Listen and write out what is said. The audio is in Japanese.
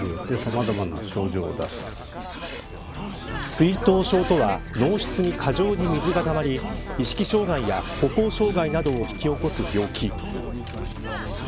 水頭症とは脳室に過剰に水がたまり意識障害や歩行障害などを引き起こす病気。